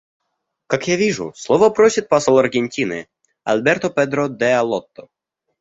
Как я вижу, слова просит посол Аргентины Альберто Педро д'Алотто.